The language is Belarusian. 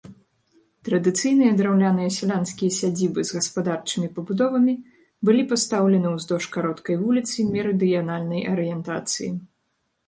Традыцыйныя драўляныя сялянскія сядзібы з гаспадарчымі пабудовамі былі пастаўлены ўздоўж кароткай вуліцы мерыдыянальнай арыентацыі.